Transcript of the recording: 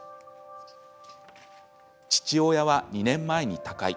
父親は２年前に他界。